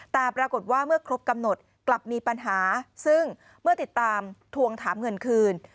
แต่ปรากฏว่าเมื่อครบกำหนดกลับมีปัญหาซึ่งเมื่อติดตามทวงถามเงินคืน